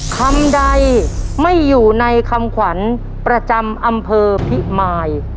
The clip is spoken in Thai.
คำใดไม่อยู่ในคำขวัญประจำอำเภอพิมาย